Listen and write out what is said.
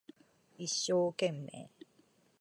一生懸命